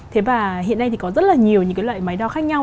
thế và hiện nay thì có rất là nhiều những cái loại máy đo khác nhau